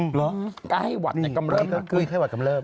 กล้าให้หวัดในกำเลิฟมากขึ้น